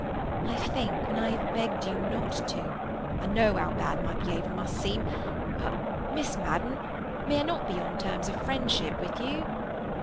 "I think when I have begged you not to—" "I know how bad my behaviour must seem. But, Miss Madden, may I not be on terms of friendship with you?"